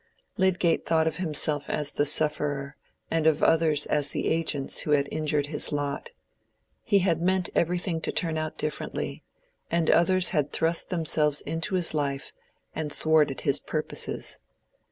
Lydgate thought of himself as the sufferer, and of others as the agents who had injured his lot. He had meant everything to turn out differently; and others had thrust themselves into his life and thwarted his purposes.